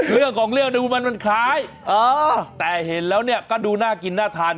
เรื่องของเรื่องดูมันคล้ายแต่เห็นแล้วเนี่ยก็ดูน่ากินน่าทาน